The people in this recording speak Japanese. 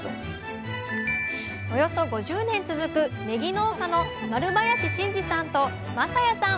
およそ５０年続くねぎ農家の丸林新二さんと雅弥さん